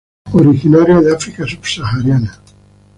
Originaria de África subsahariana.